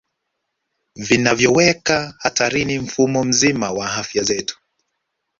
Vinavyoweka hatarini mfumo mzima wa afya zetu